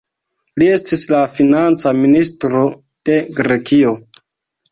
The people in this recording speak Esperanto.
Li estis la Financa Ministro de Grekio.